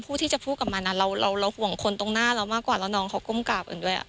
อ๋อพูดว่า